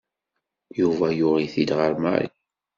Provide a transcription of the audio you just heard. Yuba yuɣ-it-id ɣer Mary.